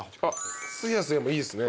すやすやもいいですね。